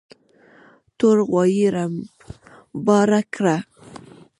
تور غوايي رمباړه کړه.